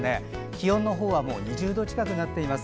気温のほうは２０度近くなっています。